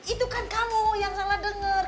itu kan kamu yang salah dengar